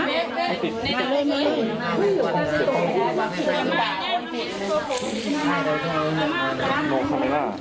ตอนนี้ก็ไม่มีเวลาให้กลับมาเที่ยวกับเวลา